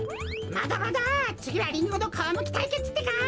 まだまだつぎはリンゴのかわむきたいけつってか！